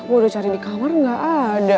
gue udah cari di kamar gak ada